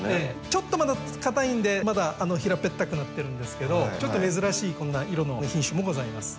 ちょっとまだかたいんでまだ平ぺったくなってるんですけどちょっと珍しいこんな色の品種もございます。